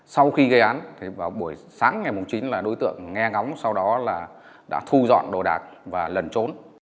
sau khi gây án vào buổi sáng ngày chín là đối tượng nghe ngóng sau đó là đã thu dọn đồ đạc và lần trốn